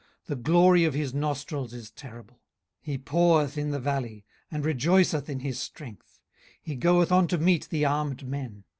the glory of his nostrils is terrible. 18:039:021 He paweth in the valley, and rejoiceth in his strength: he goeth on to meet the armed men.